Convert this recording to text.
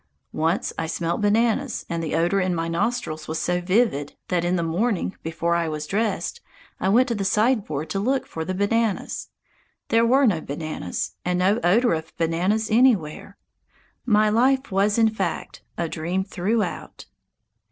Once I smelt bananas, and the odour in my nostrils was so vivid that in the morning, before I was dressed, I went to the sideboard to look for the bananas. There were no bananas, and no odour of bananas anywhere! My life was in fact a dream throughout.